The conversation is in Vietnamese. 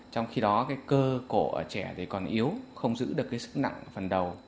trong khi đó cơ cổ ở trẻ còn yếu không giữ được sức nặng phần đầu